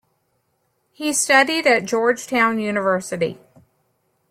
He studied at Georgetown University.